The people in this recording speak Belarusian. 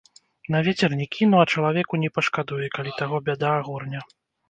На вецер не кіну, а чалавеку не пашкадую, калі таго бяда агорне.